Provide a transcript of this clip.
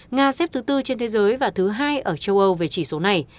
nga xếp thứ tư trên thế giới và thứ hai ở châu âu về chỉ số này